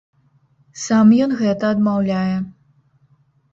Сам ён гэта адмаўляе.